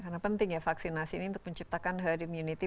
karena penting ya vaksinasi ini untuk menciptakan herd immunity